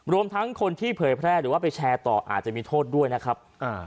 รวมทั้งคนที่เผยแพร่หรือว่าไปแชร์ต่ออาจจะมีโทษด้วยนะครับ